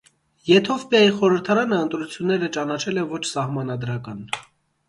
Եթովպիայի խորհրդարանը ընտրությունները ճանաչել է ոչ սահմանադրական։